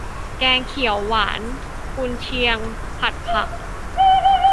แกงเขียวหวาน กุนเชียง ผัดผัก